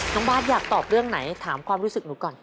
น้องบาทอยากตอบเรื่องไหนถามความรู้สึกหนูก่อน